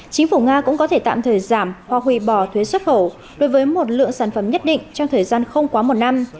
chính phủ nga cũng có thể tạm thời giảm hoặc hủy bỏ thuế xuất khẩu đối với một lượng sản phẩm nhất định trong thời gian không quá một năm